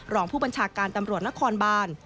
รองผู้บัญชาการตำรวจนครบาน